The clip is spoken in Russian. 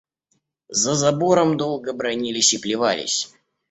За забором долго бранились и плевались.